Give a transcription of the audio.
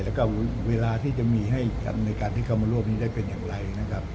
แล้วก็เวลาที่จะมีให้กันในการที่เข้ามาร่วมนี้ได้เป็นอย่างไรนะครับ